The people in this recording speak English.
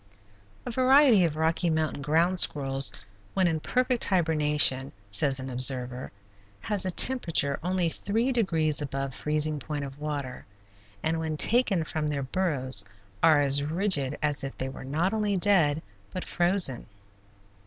A variety of Rocky Mountain ground squirrels, when in perfect hibernation, says an observer, has a temperature only three degrees above freezing point of water, and when taken from their burrows are as rigid as if they were not only dead, but frozen.